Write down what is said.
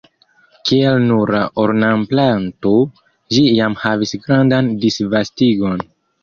Kiel nura ornamplanto ĝi jam havis grandan disvastigon.